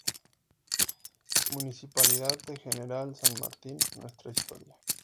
Municipalidad de General San Martín: "Nuestra Historia"